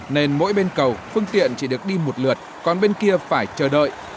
nên mỗi bên cầu phương tiện chỉ được đi một lượt còn bên kia phải chờ đợi